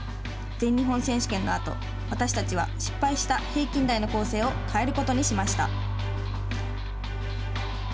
全日本選手権のあと私たちは失敗した平均台の構成を変えることにしました。